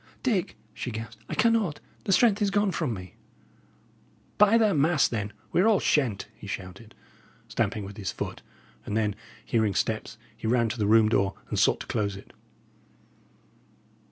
"Dick," she gasped, "I cannot. The strength is gone from me." "By the mass, then, we are all shent!" he shouted, stamping with his foot; and then, hearing steps, he ran to the room door and sought to close it.